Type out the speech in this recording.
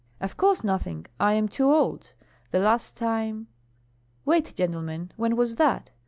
"Of course nothing, I am too old. The last time Wait, gentlemen, when was that?